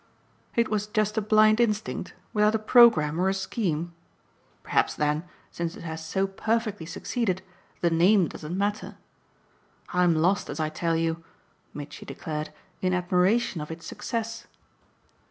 "It was just a blind instinct, without a programme or a scheme? Perhaps then, since it has so perfectly succeeded, the name doesn't matter. I'm lost, as I tell you," Mitchy declared, "in admiration of its success."